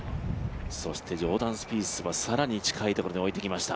そしてジョーダン・スピースは更に近いところに置いてきました。